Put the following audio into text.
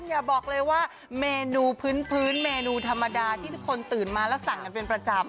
อย่าบอกเลยว่าเมนูพื้นเมนูธรรมดาที่ทุกคนตื่นมาแล้วสั่งกันเป็นประจำ